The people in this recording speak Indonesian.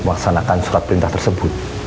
maksanakan surat perintah tersebut